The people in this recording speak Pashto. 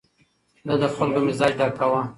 ده د خلکو مزاج درک کاوه.